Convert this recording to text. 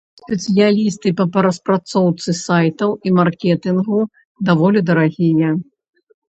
Спецыялісты па распрацоўцы сайтаў і маркетынгу даволі дарагія.